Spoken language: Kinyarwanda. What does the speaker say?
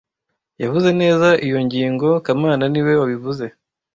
Yavuze neza iyo ngingo kamana niwe wabivuze